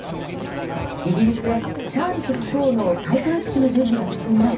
イギリスでチャールズ国王の戴冠式の準備が進む中